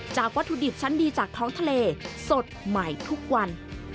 วัตถุดิบชั้นดีจากท้องทะเลสดใหม่ทุกวัน